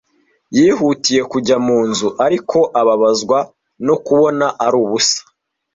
Yihutiye kujya mu nzu, ariko ababazwa no kubona ari ubusa.